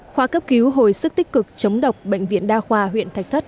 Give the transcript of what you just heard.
khoa cấp cứu hồi sức tích cực chống độc bệnh viện đa khoa huyện thạch thất